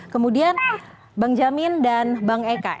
kemudian bang jamin dan bang eka